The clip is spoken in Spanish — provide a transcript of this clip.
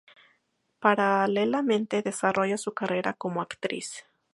Paralelamente desarrolla su carrera como actriz.